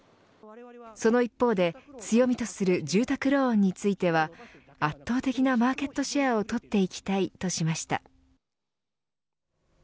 その一方で強みとする住宅ローンについては圧倒的なマーケットシェアをとっていきたいとしました。